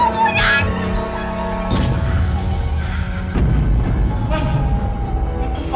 aku punya anak keempat tujuh